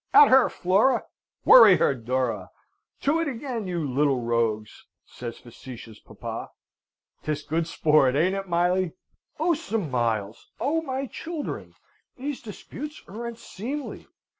"At her, Flora! Worry her, Dora! To it again, you little rogues!" says facetious papa. 'Tis good sport, ain't it, Miley?" "Oh, Sir Miles! Oh, my children! These disputes are unseemly.